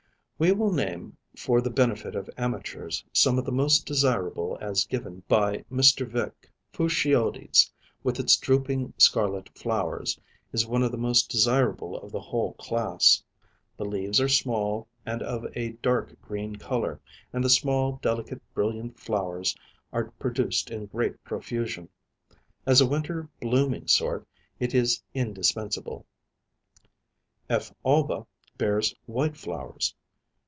We will name for the benefit of amateurs some of the most desirable as given by Mr. Vick: Fuchsioides, with its drooping scarlet flowers, is one of the most desirable of the whole class; the leaves are small, and of a dark green color, and the small, delicate brilliant flowers are produced in great profusion. As a winter blooming sort it is indispensable. F. Alba bears white flowers.